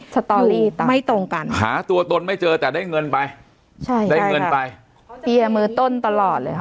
สตอรี่ไม่ตรงกันหาตัวตนไม่เจอแต่ได้เงินไปใช่ได้เงินไปเฮียมือต้นตลอดเลยค่ะ